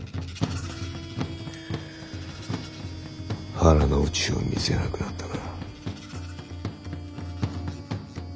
腹の内を見せなくなったな。